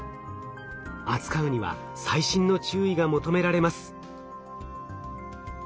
扱うには細心の注意が求められます。